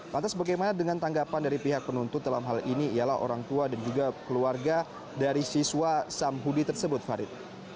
lantas bagaimana dengan tanggapan dari pihak penuntut dalam hal ini ialah orang tua dan juga keluarga dari siswa samhudi tersebut farid